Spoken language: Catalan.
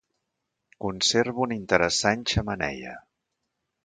Conserva una interessant xemeneia.